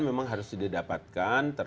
memang harus didapatkan